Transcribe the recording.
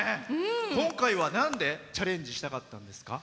今回は、なんでチャレンジしたかったんですか？